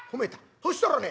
そしたらね